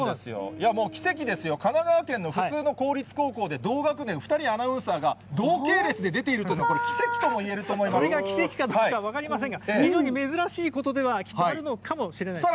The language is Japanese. いやもう奇跡ですよ、神奈川県の普通の公立高校で同学年、２人のアナウンサーが同系列で出ているというの、奇跡ともいえるそれが奇跡かどうかは分かりませんが、非常に珍しいことでは、きっとあるのかもしれないですね。